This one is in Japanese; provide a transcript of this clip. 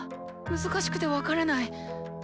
難しくて分からない。